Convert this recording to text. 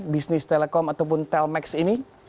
bisnis telekom ataupun telmax ini